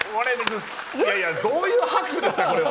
どういう拍手ですか、これは。